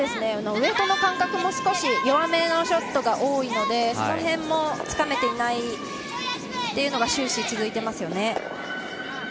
ウエイトの感覚も少し弱めのショットが多いのでその辺もつかめていないっていうのが終始、続いてますね。